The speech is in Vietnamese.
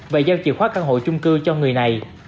và giao chìa khóa căn hộ chung cư cho người này